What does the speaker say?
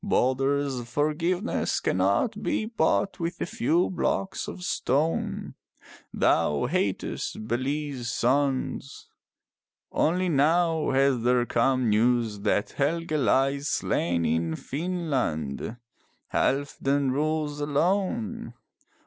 Balder's forgiveness cannot be bought with a few blocks of stone. Thou hatest Bele's sons. Only now has there come news that Helge lies slain in Finnland. Halfdan rules alone.